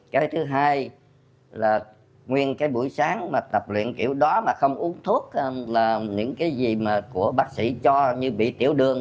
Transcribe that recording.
cái thứ hai là nguyên cái buổi sáng mà tập luyện kiểu đó mà không uống thuốc là những cái gì mà của bác sĩ cho như bị tiểu đường